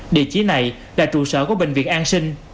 địa chỉ này là trụ sở của bệnh viện an sinh